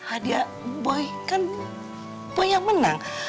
hadiah boy kan boy yang menang